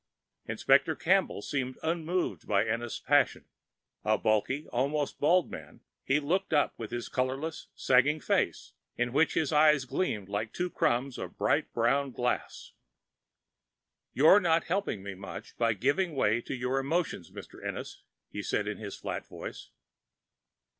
Inspector Campbell seemed unmoved by Ennis' passion. A bulky, almost bald man, he looked up with his colorless, sagging face, in which his eyes gleamed like two crumbs of bright brown glass. "You're not helping me much by giving way to your emotions, Mr. Ennis," he said in his flat voice.